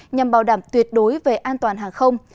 nhằm bảo đảm tuyệt đối về an toàn hàng không